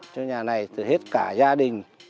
cho nhà này hết cả gia đình